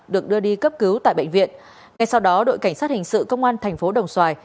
được đưa đi cấp cứu tại bệnh viện ngày sau đó đội cảnh sát hình sự công an tp đồng xoài